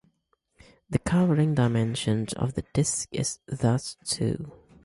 The covering dimension of the disk is thus two.